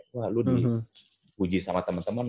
wah lu di puji sama temen temen